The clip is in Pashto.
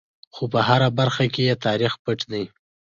خو په هره برخه کې یې تاریخ پټ دی.